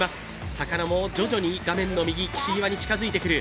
魚も徐々に画面の右、岸際に近づいてくる。